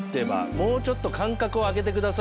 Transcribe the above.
もうちょっと間隔を空けて下さい。